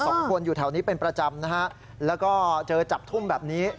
คนอยู่แถวนี้เป็นประจำนะฮะแล้วก็เจอจับทุ่มแบบนี้